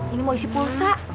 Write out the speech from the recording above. ini mau isi pulsa